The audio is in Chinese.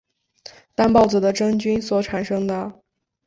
担孢子的真菌所产生的。